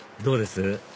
どうです？